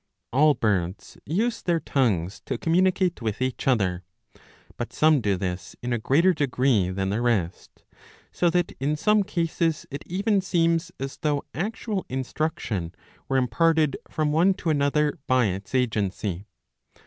All birds use their tongues to communicate with each other. But some do this in a greater degree than the rest ; so that in some cases it even seems as though actual instruction were imparted from one to another by its agency.